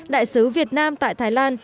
đại sứ việt nam tại thái lan